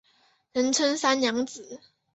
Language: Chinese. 人称三娘子。